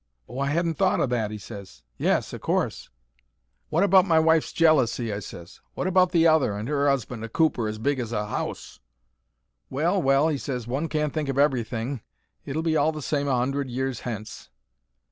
"Oh, I 'adn't thought o' that," he ses. "Yes, o' course." "Wot about my wife's jealousy?" I ses. "Wot about the other, and her 'usband, a cooper as big as a 'ouse?" "Well, well," he ses, "one can't think of everything. It'll be all the same a hundred years hence."